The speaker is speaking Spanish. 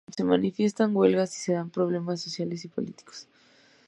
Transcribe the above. Se manifiestan huelgas y se dan problemas sociales y políticos.